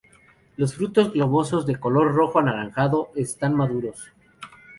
Los frutos globosos, de color rojo anaranjado cuando están maduros.